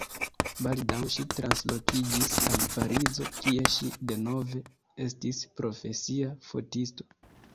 Baldaŭ ŝi translokiĝis al Parizo, kie ŝi denove estis profesia fotisto.